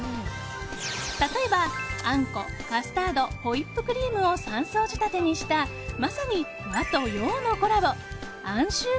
例えば、あんこ、カスタードホイップクリームを３層仕立てにしたまさに和と洋のコラボＡＮしゅー